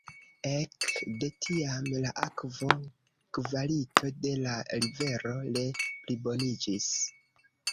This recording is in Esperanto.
Ek de tiam la akvo-kvalito de la rivero re-pliboniĝis.